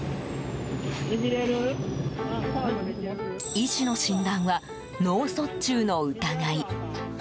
医師の診断は、脳卒中の疑い。